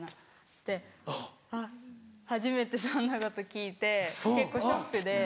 であっ初めてそんなこと聞いて結構ショックで。